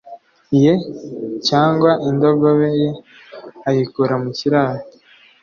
Ye cyangwa indogobe ye ayikura mu kiraro